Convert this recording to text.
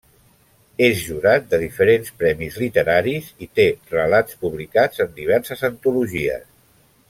És jurat de diferents premis literaris i té relats publicats en diverses antologies.